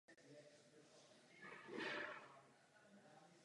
Během válečných událostí stál v pozadí a její průběh příliš ovlivnit nemohl.